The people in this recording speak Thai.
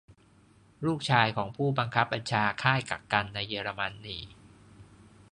ลูกชายของผู้บังคับบัญชาค่ายกักกันในเยอรมนี